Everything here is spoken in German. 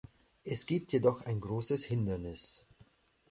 Es gibt jedoch ein großes Hindernis.